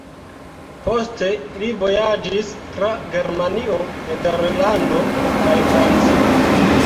Poste li vojaĝis tra Germanio, Nederlando kaj Francio.